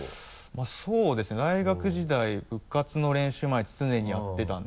まぁそうですね大学時代部活の練習前常にやってたんで。